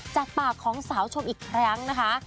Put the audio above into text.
จากปากของสาวชมอีกครั้งนะคะ